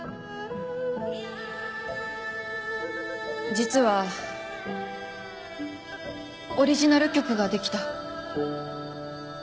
実はオリジナル曲ができた。